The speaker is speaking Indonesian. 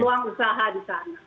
ruang usaha di sana